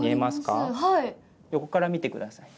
横から見てください。